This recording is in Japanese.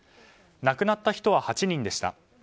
亡くなった人は８人でした。